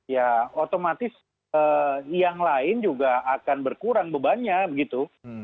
ya otomatis yang lain juga akan berkurang bebannya begitu